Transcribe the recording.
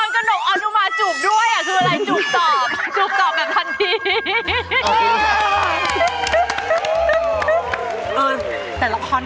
ฉันจะร้องให้ทุกคนได้อิ่ม